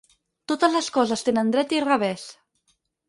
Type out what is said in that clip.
Totes les coses tenen dret i revés.